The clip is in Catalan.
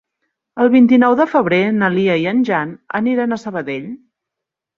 El vint-i-nou de febrer na Lia i en Jan aniran a Sabadell.